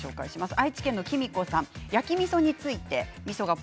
愛知県の方焼きみそについてです。